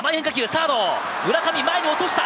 サード・村上、前に落とした！